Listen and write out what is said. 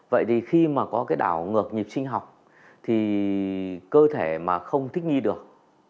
vậy thì khi mà có cái đảo ngược nhịp sinh học thì cơ thể mà không thích nghi được